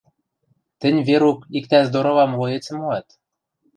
— Тӹнь, Верук, иктӓ здорова млоецӹм моат.